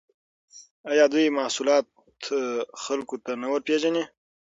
آیا دوی محصولات خلکو ته نه ورپېژني؟